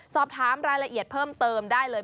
สอบถามรายละเอียดเพิ่มเติมได้เลย